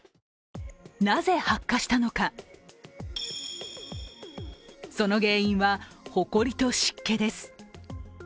なぜ発火したのか、その原因は、ほこりと湿気です。